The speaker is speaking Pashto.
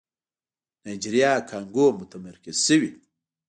نایجيريا کانګو متمرکز شوی.